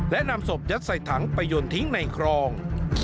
และนำศพยัดใส่ถังไปยนต์ทิ้งในคลอง